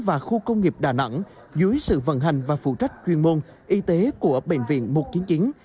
và khu công nghiệp đà nẵng dưới sự vận hành và phụ trách chuyên môn y tế của bệnh viện một trăm chín mươi chín